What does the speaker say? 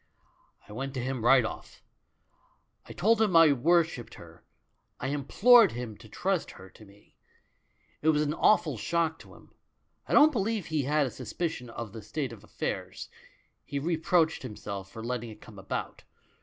"I went to him right off. I told him I wor shipped her; I implored him to trust her to me. It was an awful shock to him ; I don't believe he had had a suspicion of the state of affairs — he re proached himself for letting it come about.